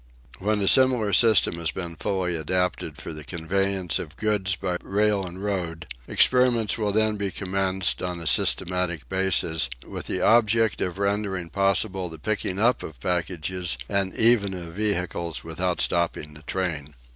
When a similar system has been fully adapted for the conveyance of goods by rail and road experiments will then be commenced, on a systematic basis, with the object of rendering possible the picking up of packages, and even of vehicles, without stopping the train.